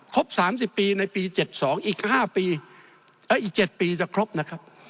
ครบ๓๐ปีในปี๗๒อีก๗ปีจะครบนะครับ